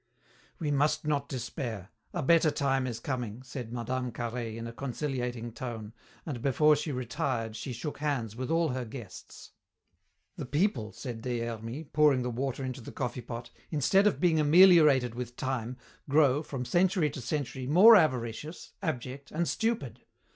"We must not despair. A better time is coming," said Mme. Carhaix in a conciliating tone, and before she retired she shook hands with all her guests. "The people," said Des Hermies, pouring the water into the coffee pot, "instead of being ameliorated with time, grow, from century to century, more avaricious, abject, and stupid.